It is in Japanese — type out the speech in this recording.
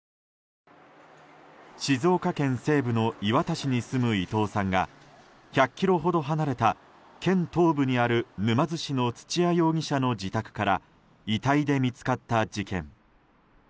静岡県西部の磐田市に住む伊藤さんが１００ｋｍほど離れた県東部にある沼津市の土屋容疑者の自宅から遺体で見つかった事件。